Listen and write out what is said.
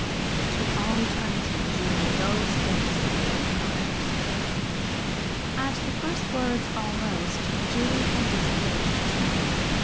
But to all eternity, Julie, those days will have been ours!" At the first words, almost, Julie had disengaged herself.